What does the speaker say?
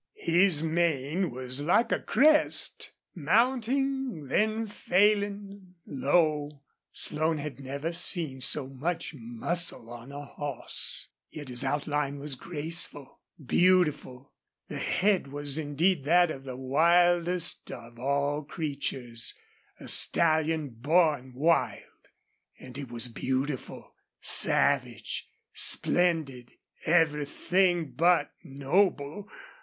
His mane was like a crest, mounting, then failing low. Slone had never seen so much muscle on a horse. Yet his outline was graceful, beautiful. The head was indeed that of the wildest of all wild creatures a stallion born wild and it was beautiful, savage, splendid, everything but noble.